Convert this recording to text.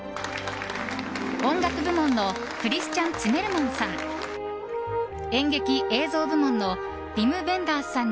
音楽部門のクリスチャン・ツィメルマンさん。